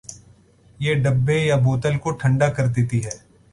یہ ڈبے یا بوتل کو ٹھنڈا کردیتی ہے۔